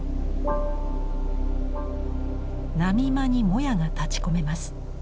波間にもやが立ちこめます。